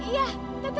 iya tete mau tau